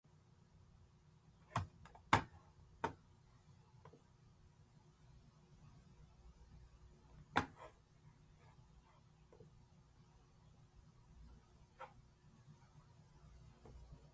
Abouabdillah's theorem characterizes the integers that can belong to maximum antichains in this order.